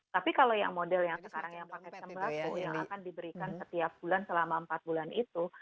tapi kalau yang model yang sekarang yang pakai sembako yang akan diberikan setiap bulan selama empat bulan itu